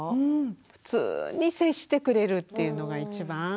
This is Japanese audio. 普通に接してくれるっていうのが一番。